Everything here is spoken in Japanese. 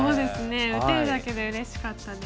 打てるだけでうれしかったです。